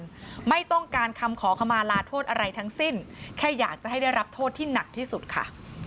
คำขอคำมาลาโทษอะไรทั้งสิ้นแค่อยากจะได้เรียนรับโทษที่หนักที่สุดค่ะ